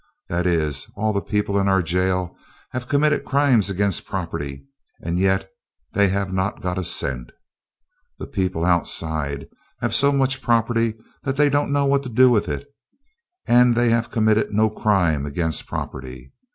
That is, all the people in our jail have committed crimes against property, and yet they have not got a cent. The people outside have so much property they don't know what to do with it, and they have committed no crime against property.